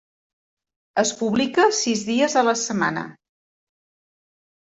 Es publica sis dies a la setmana.